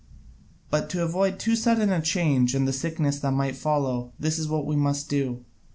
But to avoid too sudden a change and the sickness that might follow, this is what we must do.